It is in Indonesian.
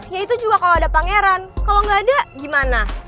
ya itu juga kalo ada pangeran kalo gak ada gimana